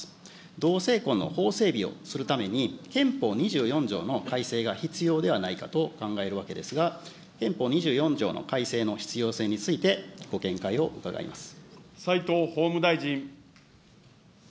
同性婚の法整備をするために、憲法２４条の改正が必要ではないかと考えるわけですが、憲法２４条の改正の必要性について、ご見解を伺います。